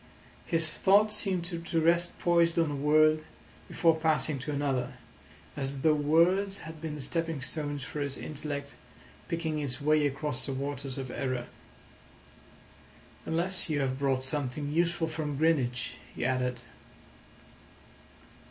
His thought seemed to rest poised on a word before passing to another, as though words had been the stepping stones for his intellect picking its way across the waters of error. "Unless you have brought something useful from Greenwich," he added.